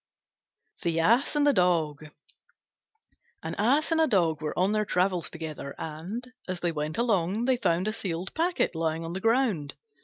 THE ASS AND THE DOG An Ass and a Dog were on their travels together, and, as they went along, they found a sealed packet lying on the ground.